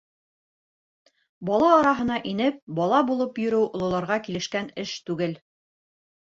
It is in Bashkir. Бала араһына инеп, бала булып йөрөү ололарға килешкән эш түгел.